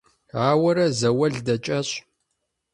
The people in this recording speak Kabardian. Ауэрэ заул дэкӀащ.